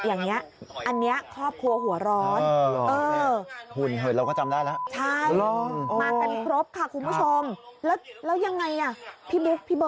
น้องบิ้นโรคร้องโดนร้องร้องว่ามึงถอดชุดมาก็เลยไง